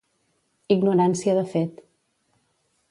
Ignorància de fet.